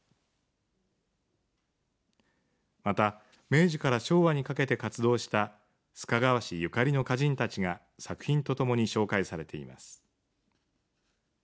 また明治から昭和にかけて活動した須賀川市ゆかりの歌人たちが作品とともに紹介されています。